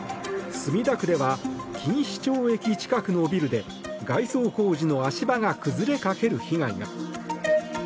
墨田区では錦糸町駅近くのビルで外装工事の足場が崩れかける被害が。